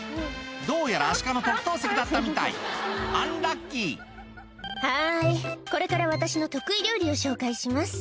どうやらアシカの特等席だったみたいアンラッキー「ハイこれから私の得意料理を紹介します」